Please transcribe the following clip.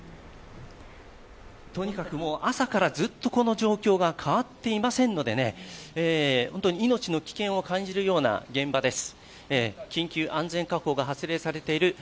とにかく朝からずっとこの状況が変わっていませんので命の危険を感じるような現場です。